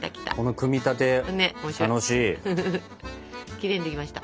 きれいにできました。